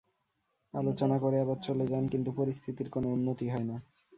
আলোচনা করে আবার চলে যান, কিন্তু পরিস্থিতির কোনো উন্নতি হয় না।